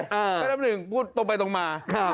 แม่น้ำหนึ่งพูดตรงไปตรงมา